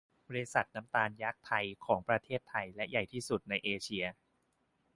บริษัทน้ำตาลยักษ์ไทยของประเทศไทยและใหญ่ที่สุดในเอเชีย